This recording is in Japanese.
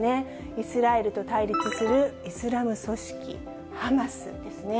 イスラエルと対立するイスラム組織ハマスですね。